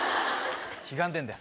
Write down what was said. ひがんでんだよ。